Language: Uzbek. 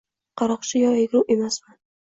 Qaroqchi yo ugri emasman